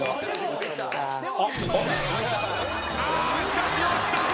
あしかし押した！